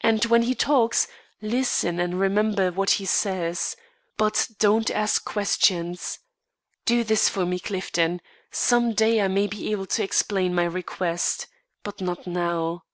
And when he talks, listen and remember what he says. But don't ask questions. Do this for me, Clifton. Some day I may be able to explain my request, but not now."